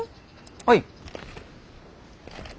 はい。